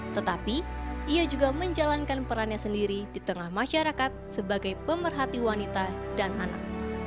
tetapi ia juga menjalankan perannya sendiri di tengah masyarakat sebagai pemerhati wanita dan anak